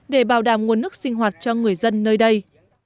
để bảo đảm nguồn nước sinh hoạt cho người dân nơi đây